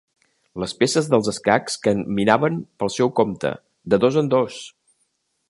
Les peces dels escacs caminaven pel seu compte, de dos en dos!